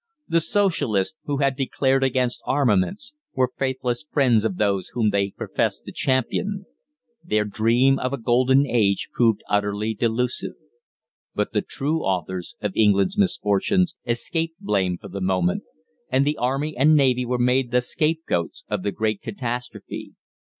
The Socialists, who had declared against armaments, were faithless friends of those whom they professed to champion. Their dream of a golden age proved utterly delusive. But the true authors of England's misfortunes escaped blame for the moment, and the Army and Navy were made the scapegoats of the great catastrophe.